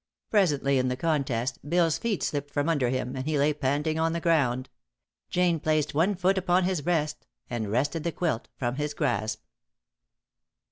Presently in the contest, Bill's feet slipped from under him, and he lay panting on the ground. Jane placed one foot upon his breast and wrested the quilt from his grasp.